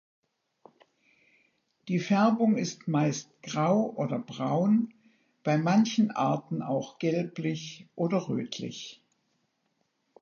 Die Färbung ist meist grau oder braun, bei manchen Arten auch gelblich oder rötlich.